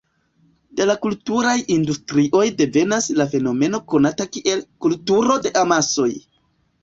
De la kulturaj industrioj devenas la fenomeno konata kiel "kulturo de amasoj".